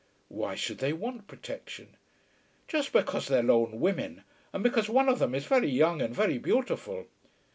"Why should they want protection?" "Just because they're lone women, and because one of them is very young and very beautiful."